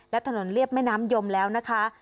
และถนนเรียบแม่น้ำยมแล้วนะคะ